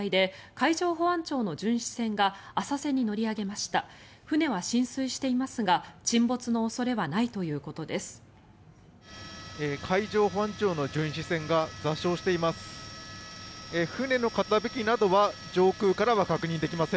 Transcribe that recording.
海上保安庁の巡視船が座礁しています。